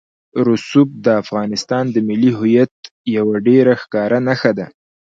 رسوب د افغانستان د ملي هویت یوه ډېره ښکاره نښه ده.